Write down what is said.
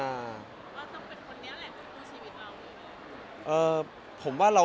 ว่าต้องเป็นคนนี้แหละเป็นผู้ชีวิตเรา